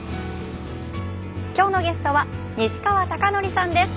今日のゲストは西川貴教さんです。